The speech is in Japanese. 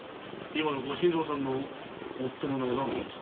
今の御新造さんの夫の名は何と申す？